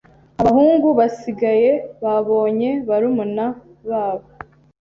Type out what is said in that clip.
Abahungu basigaye Babonye barumuna babo